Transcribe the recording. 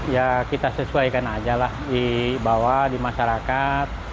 ya kita sesuaikan aja lah di bawah di masyarakat